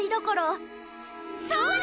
そうだ！